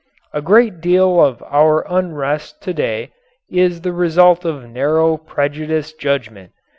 A great deal of our unrest to day is the result of narrow, prejudiced judgment.